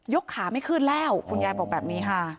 ขาไม่ขึ้นแล้วคุณยายบอกแบบนี้ค่ะ